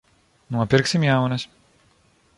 Nopirksim jaunas.